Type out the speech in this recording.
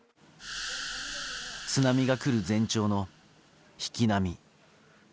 津波が来る前兆の引き波。